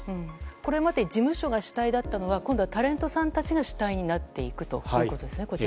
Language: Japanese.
これまで事務所が主体だったのが今度はタレントさんたちが主体になっていくということですね。